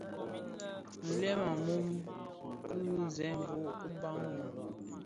Nlem a mum ki zerbo, bi bag wii,